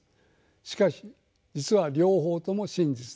しかし実は両方とも真実です。